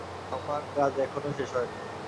আমার কাজ এখনও শেষ হয়নি।